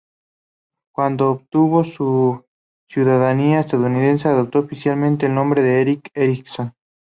Cuando obtuvo su ciudadanía estadounidense, adoptó oficialmente el nombre de Erik Erikson.